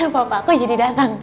papa aku jadi datang